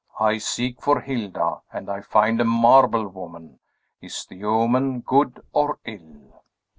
"I seek for Hilda, and find a marble woman! Is the omen good or ill?"